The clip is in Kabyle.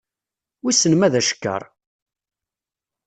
Wissen ma d acekkeṛ?